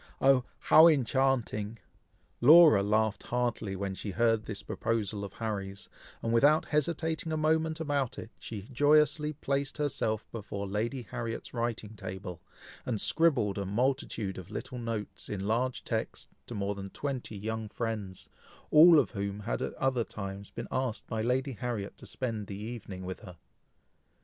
oh! how enchanting!" Laura laughed heartily when she heard this proposal of Harry's, and without hesitating a moment about it, she joyously placed herself before Lady Harriet's writing table, and scribbled a multitude of little notes, in large text, to more than twenty young friends, all of whom had at other times been asked by Lady Harriet to spend the evening with her.